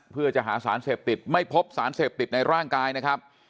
เพื่อจะหาสารเสพติดไม่พบสารเสพติดในร่างกายนะครับ